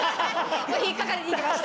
引っ掛かりにいきました。